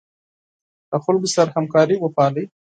له خلکو سره همکاري وپالئ.